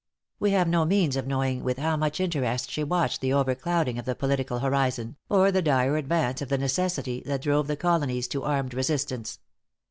We have no means of knowing with how much interest she watched the over clouding of the political horizon, or the dire advance of the necessity that drove the Colonies to armed resistance.